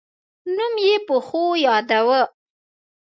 نوم یې په ښو یاداوه.